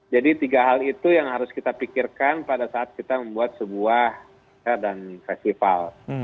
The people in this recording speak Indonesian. jadi tiga hal itu yang harus kita pikirkan pada saat kita membuat sebuah festival